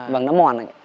vâng nó mòn rồi